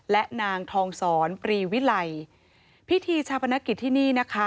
และนางทองสอนปรีวิไลพิธีชาปนกิจที่นี่นะคะ